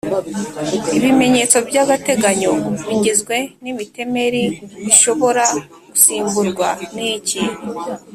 ibimenyetso by’agateganyo bigizwe n’imitemeri bishobora gusimburwa niki